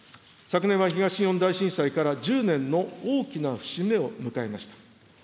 昨年は、東日本大震災から１０年の大きな節目を迎えました。